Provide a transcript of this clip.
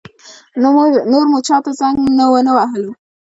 نور مو چا ته زنګ ونه وهلو.